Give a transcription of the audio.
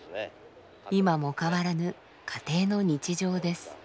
今も変わらぬ家庭の日常です。